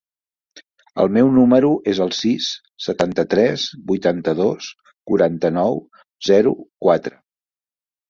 El meu número es el sis, setanta-tres, vuitanta-dos, quaranta-nou, zero, quatre.